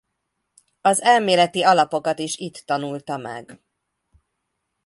Az elméleti alapokat is itt tanulta meg.